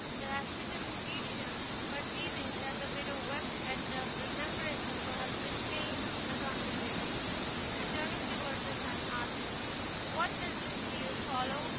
The African magician, perceiving that the widow wept at the remembrance of her husband, changed the conversation, and turning toward her son, asked him, "What business do you follow?